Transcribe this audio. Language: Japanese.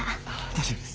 大丈夫です。